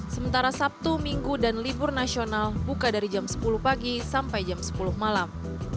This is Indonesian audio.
sementara sabtu minggu dan libur nasional buka dari jam sepuluh pagi sampai jam sepuluh malam